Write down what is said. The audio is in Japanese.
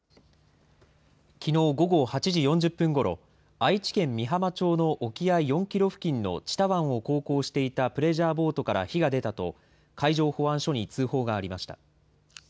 きのう午後８時４０分ごろ、愛知県美浜町の沖合４キロ付近の知多湾を航行していたプレジャーボートから火が出たと、海上保安署に通報がありました。